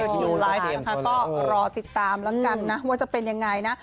แบ่งคนไทยก็รอติดตามรังกันนะว่าจะเป็นยังไงนะ